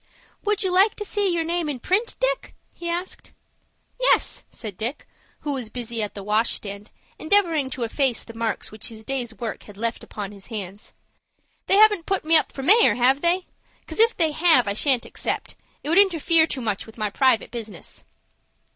"Would you like to see your name in print, Dick?" he asked. "Yes," said Dick, who was busy at the wash stand, endeavoring to efface the marks which his day's work had left upon his hands. "They haven't put me up for mayor, have they? 'Cause if they have, I shan't accept. It would interfere too much with my private business."